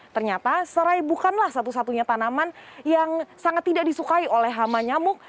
ternyata serai bukanlah satu satunya tanaman yang sangat tidak disukai oleh hama nyamuk